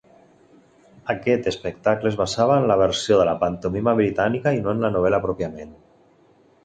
Aquest espectacle es basava en la versió de la pantomima britànica i no en la novel·la pròpiament.